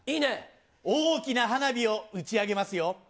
大きな花火を打ち上げますよ。